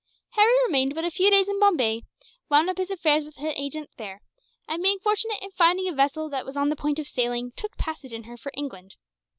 Harry remained but a few days in Bombay, wound up his affairs with his agents there and, being fortunate in finding a vessel that was on the point of sailing, took passage in her for England.